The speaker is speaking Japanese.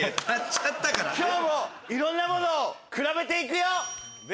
今日もいろんなものを比べて行くよ。